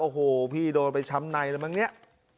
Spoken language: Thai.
โอ้โหพี่โดนไปช้ำในแล้วมั้งเนี่ย